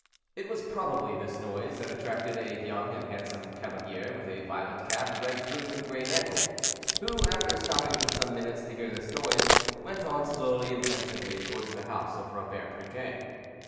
It was probably this noise that attracted a young and handsome cavalier, with a violet cap, red plume, and gray mantle, who, after stopping for some minutes to hear this noise, went on slowly and pensively toward the house of Robert Briquet.